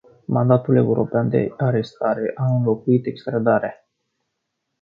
Mandatul european de arestare a înlocuit extrădarea.